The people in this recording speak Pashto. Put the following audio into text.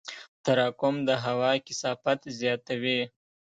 تراکم د هوا کثافت زیاتوي.